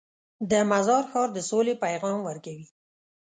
د مزار ښار د سولې پیغام ورکوي.